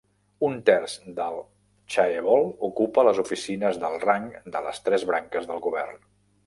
Un terç del chaebol ocupa les oficines d'alt rang de les tres branques del govern.